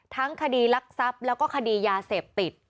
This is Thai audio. ทั้งคดีรักทรัพย์แล้วก็คดียาเสพติด